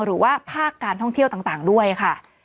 หรือว่าภาคการท่องเที่ยวต่างด้วยค่ะ